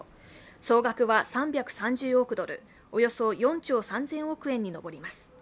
総額は３３０億ドル、およそ４兆３０００億円に上ります。